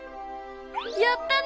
やったね！